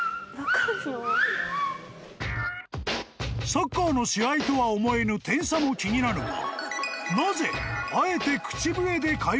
［サッカーの試合とは思えぬ点差も気になるが］